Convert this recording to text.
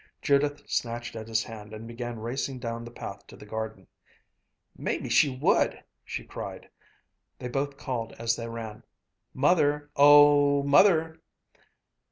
Judith snatched at his hand and began racing down the path to the garden. "Maybe she would!" she cried. They both called as they ran, "Mother, oh, Mother!"